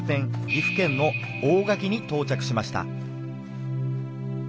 岐阜県の大垣にとうちゃくしました。